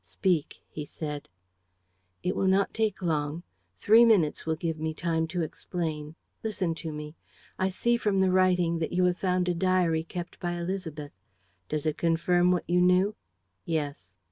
"Speak," he said. "It will not take long. Three minutes will give me time to explain. Listen to me. I see, from the writing, that you have found a diary kept by Élisabeth. Does it confirm what you knew?" "Yes."